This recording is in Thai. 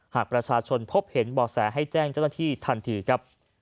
หากประชาชนพบเห็นบ่อแสให้แจ้งเจ้าหน้าที่ทันทีครับ